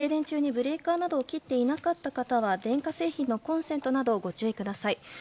続々と復旧していると思いますが停電中にブレーカーなどを切っていなかった方は電化製品のコンセントなどご注意ください。